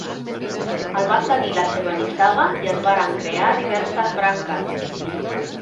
El va seguir la seva nissaga i es varen crear diverses branques.